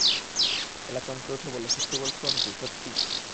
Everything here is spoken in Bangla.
এলা চমকে উঠে বললে, সত্যি বলছ অন্তু, সত্যি?